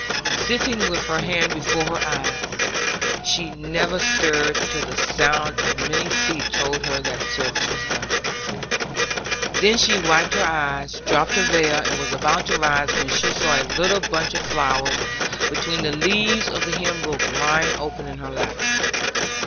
Sitting with her hand before her eyes, she never stirred till the sound of many feet told her that service was done. Then she wiped her eyes, dropped her veil, and was about to rise when she saw a little bunch of flowers between the leaves of the hymn book lying open in her lap.